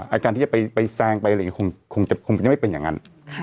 การที่จะไปแซงไปอะไรอย่างนี้คงจะคงยังไม่เป็นอย่างนั้น